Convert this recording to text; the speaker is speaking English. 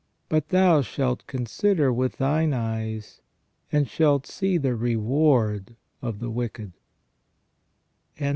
But thou shalt consider with thine eyes and shalt see the reward of the wicked."